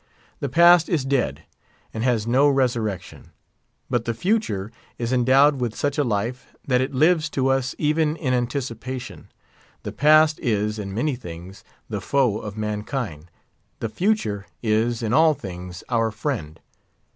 The Past is dead, and has no resurrection; but the Future is endowed with such a life, that it lives to us even in anticipation. The Past is, in many things, the foe of mankind; the Future is, in all things, our friend.